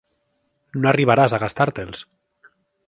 No arribaràs a gastar-te'ls.